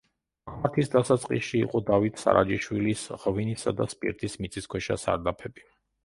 აღმართის დასაწყისში იყო დავით სარაჯიშვილის ღვინისა და სპირტის მიწისქვეშა სარდაფები.